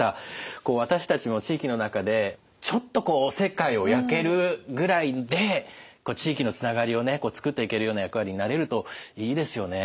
こう私たちも地域の中でちょっとこうおせっかいをやけるぐらいで地域のつながりをね作っていけるような役割になれるといいですよね。